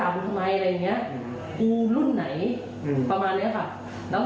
แล้วเราเขาแย่งนี้ได้หนูก็ใส่อย่างเดียวเลยค่ะ